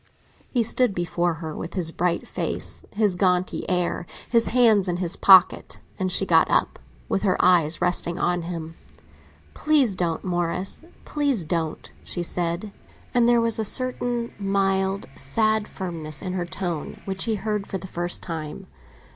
He stood before her with his bright face, his jaunty air, his hands in his pockets; and she got up, with her eyes resting on his own. "Please don't, Morris; please don't," she said; and there was a certain mild, sad firmness in her tone which he heard for the first time.